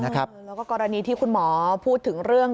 แล้วก็กรณีที่คุณหมอพูดถึงเรื่อง